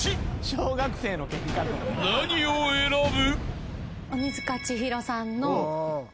［何を選ぶ？］